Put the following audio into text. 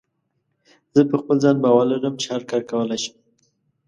زه په خپل ځان باور لرم چې هر کار کولی شم.